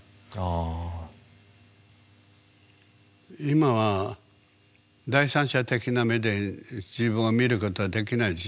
今は第三者的な目で自分を見ることはできないでしょ？